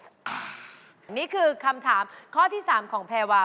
อันนี้คือคำถามข้อที่๓ของแพรวา